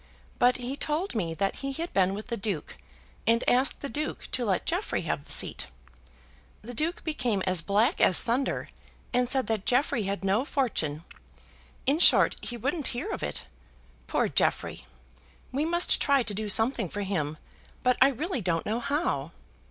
But he told me that he had been with the Duke, and asked the Duke to let Jeffrey have the seat. The Duke became as black as thunder, and said that Jeffrey had no fortune. In short, he wouldn't hear of it. Poor Jeffrey! we must try to do something for him, but I really don't know how.